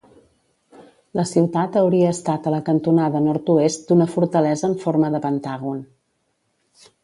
La ciutat hauria estat a la cantonada nord-oest d'una fortalesa en forma de pentàgon.